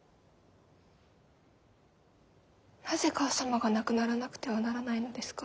なぜ母さまが亡くならなくてはならないのですか？